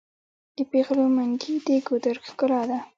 د پیغلو منګي د ګودر ښکلا ده.